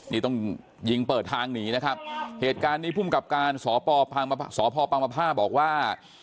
นี่ต้องยิงเปิดทางหนีนะครับเหตุการณ์นี้ภูมิกับการสพสพปังปภาบอกว่า